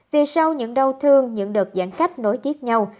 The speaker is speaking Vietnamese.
về sau những đau thương những đợt giãn cách nối tiếp nhau